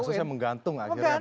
kasus yang menggantung akhirnya